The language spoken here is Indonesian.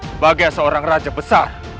sebagai seorang raja besar